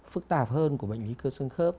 phức tạp hơn của bệnh lý cơ xương khớp